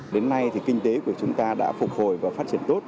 đến nay thì kinh tế của chúng ta đã phục hồi và phát triển tốt